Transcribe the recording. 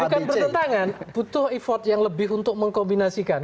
bukan pertentangan butuh effort yang lebih untuk mengkombinasikan